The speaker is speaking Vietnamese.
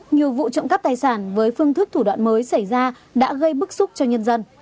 nhiều vụ trộm cắp tài sản với phương thức thủ đoạn mới xảy ra đã gây bức xúc cho nhân dân